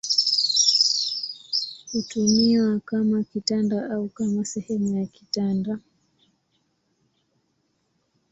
Hutumiwa kama kitanda au kama sehemu ya kitanda.